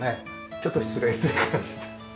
ちょっと失礼って感じで。